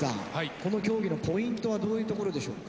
この競技のポイントはどういうところでしょうか？